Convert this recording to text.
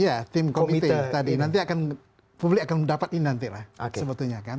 ya tim komite tadi nanti publik akan mendapatkan ini nanti lah sebetulnya kan